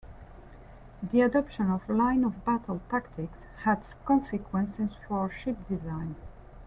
The adoption of line-of-battle tactics had consequences for ship design.